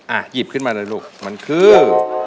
หยิบขึ้นมาเลยลูกมันคือ